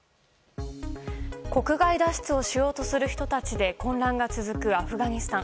国外脱出をしようとする人たちで混乱が続くアフガニスタン。